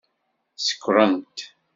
Sekṛent.